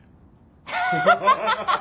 ハハハハ！